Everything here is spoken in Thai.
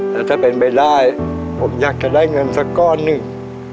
แล้วถ้าเป็นไปได้ผมอยากจะได้เงินสักก้อนหนึ่ง